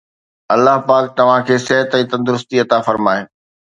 الله پاڪ توهان کي صحت ۽ تندرستي عطا فرمائي.